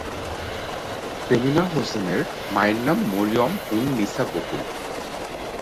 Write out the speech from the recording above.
সেলিনা হোসেনের মায়ের নাম মরিয়ম-উন-নিসা বকুল।